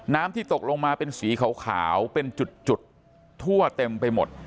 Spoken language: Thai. ที่ตกลงมาเป็นสีขาวเป็นจุดทั่วเต็มไปหมด